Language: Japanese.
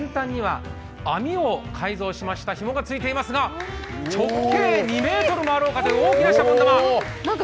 網を改造しましたひもがついていますが直径２ｍもあろうかという大きなシャボン玉。